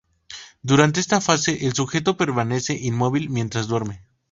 Durante esta fase el sujeto permanece inmóvil mientras duerme.